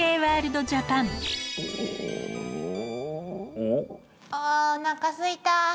おお？ああおなかすいた！